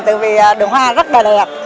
tại vì đường hoa rất là đẹp